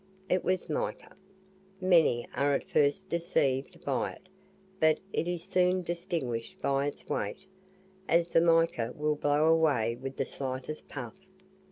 It WAS MICA. Many are at first deceived by it, but it is soon distinguished by its weight, as the mica will blow away with the slightest puff.